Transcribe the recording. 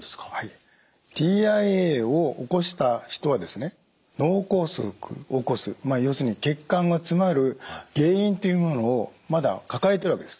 ＴＩＡを起こした人は脳梗塞を起こす要するに血管が詰まる原因というものをまだ抱えてるわけです。